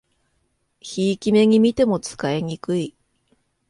ひいき目にみても使いにくい